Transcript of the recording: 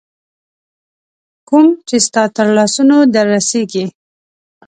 کوم چي ستا تر لاسونو در رسیږي